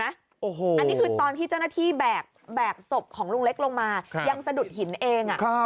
อันนี้คือตอนที่เจ้าหน้าที่แบกศพของลุงเล็กลงมายังสะดุดหินเอง